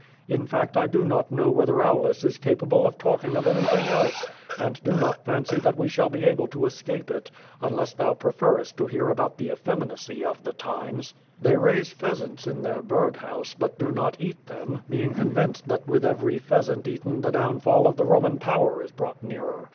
In fact I do not know whether Aulus is capable of talking of anything else; and do not fancy that we shall be able to escape it, unless thou preferest to hear alK)ut the effeminacy of the times. They raise pheasants in their bird house, but do not eat them, being convinced that with every pheasant eaten the downfall of the Roman power is brought nearer.